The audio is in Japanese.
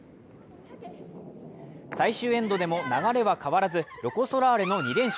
最終エンドでも流れは変わらず、ロコ・ソラーレの２連勝。